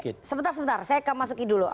oke sebentar sebentar saya ke mas uki dulu